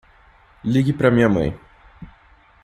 Ligue para minha mãe.